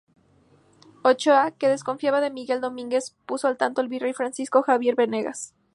Ochoa, que desconfiaba de Miguel Domínguez puso al tanto al virrey Francisco Xavier Venegas.